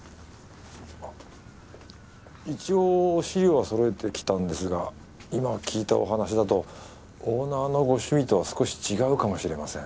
一応資料は揃えてきたんですが今聞いたお話だとオーナーのご趣味とは少し違うかもしれません。